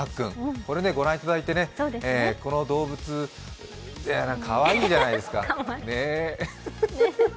これをご覧いただいて、この動物かわいいじゃないですか。ねぇ。